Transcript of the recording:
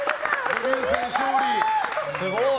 デビュー戦勝利、すごい。